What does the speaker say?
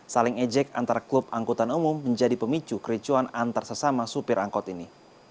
saling ejek antar klub angkutan umum menjadi pemicu kericuan antar sesama supir angkot ini